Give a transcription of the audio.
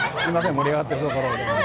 盛り上がっているところを。